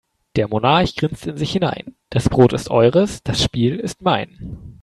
Der Monarch grinst in sich hinein: Das Brot ist eures, das Spiel ist mein.